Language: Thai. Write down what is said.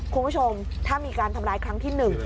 คุณผู้ชมถ้ามีการทำร้ายครั้งที่๑